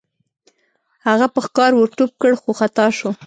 هغه په ښکار ور ټوپ کړ خو خطا شو.